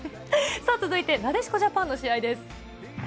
さあ続いて、なでしこジャパンの試合です。